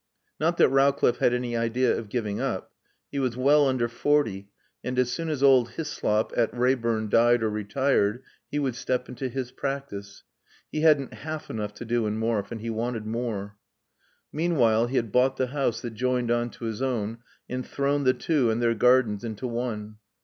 Not that Rowcliffe had any idea of giving up. He was well under forty and as soon as old Hyslop at Reyburn died or retired he would step into his practice. He hadn't half enough to do in Morfe and he wanted more. Meanwhile he had bought the house that joined on to his own and thrown the two and their gardens into one.